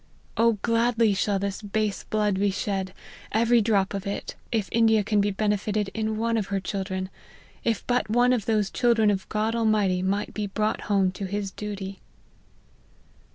O gladly shall this base blood be shed, every drop of it, if India can be benefited in one of her children ; if but one of those children of God Almighty might be brought home to his duty."